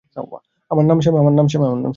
আমার নাম স্যাম।